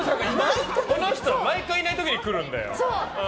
この人は毎回いない時に来るんだよ。